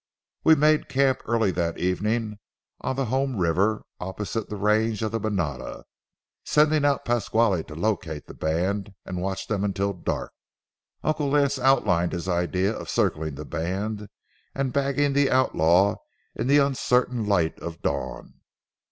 We made camp early that evening on the home river, opposite the range of the manada. Sending out Pasquale to locate the band and watch them until dark, Uncle Lance outlined his idea of circling the band and bagging the outlaw in the uncertain light of dawn.